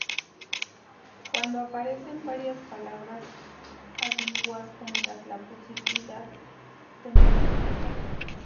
Cuando aparecen varias palabras ambiguas juntas, las posibilidades se multiplican.